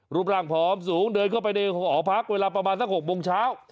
รูปร่างผอมสูงเดินเข้าไปในหอพักเวลาประมาณสัก๖โมงเช้า